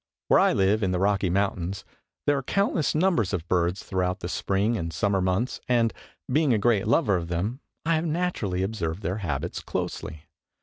Where I live, in the Rocky Mountains, there are countless numbers of birds throughout the spring and summer months and, being a great lover of them, I have naturally observed their habits closely.